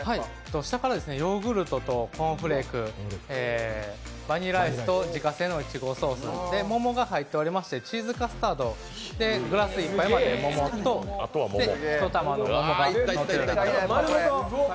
下からヨーグルト、コーンフレークバニラアイスと自家製のいちごソース、桃が入っておりまして、チーズカスタード、グラスいっぱいまで桃と１玉の桃が。